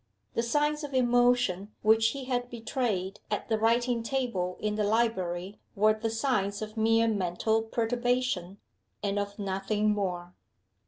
The signs of emotion which he had betrayed at the writing table in the library were the signs of mere mental perturbation, and of nothing more.